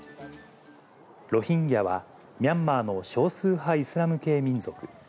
ロヒンギャは、ミャンマーの少数派イスラム系民族。